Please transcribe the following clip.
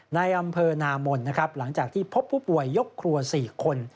ในอำเภอนามนนะครับหลังจากที่พบผู้ป่วยยกครัว๔คน